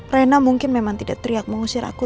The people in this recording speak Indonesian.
rena mungkin memang tidak teriak mengusir aku